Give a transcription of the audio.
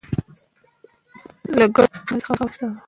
له ګیدړ څخه یې وکړله پوښتنه